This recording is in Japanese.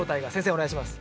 お願いします。